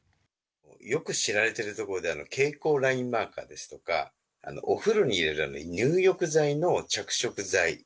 よく知られているところでは蛍光ラインマーカーですとか、お風呂に入れる入浴剤の着色剤。